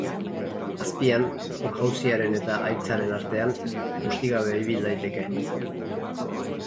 Azpian, urjauziaren eta haitzaren artean, busti gabe ibil daiteke.